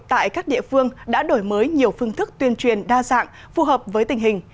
tại các địa phương đã đổi mới nhiều phương thức tuyên truyền đa dạng phù hợp với tình hình